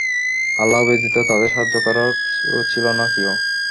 আল্লাহ ব্যতীত তাদের সাহায্য করারও ছিল না কেউ।